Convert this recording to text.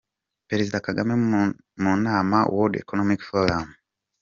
Perezida Kagame mu nama World Economic Forum.